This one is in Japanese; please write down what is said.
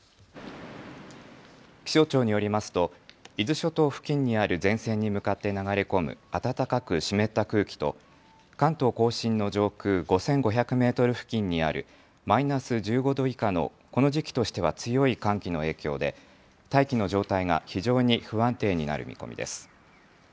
気象庁によりますと伊豆諸島付近にある前線に向かって流れ込む暖かく湿った空気と関東甲信の上空５５００メートル付近にあるマイナス１５度以下のこの時期としては強い寒気の影響で大気の状態が非常に不安定になる見込みです。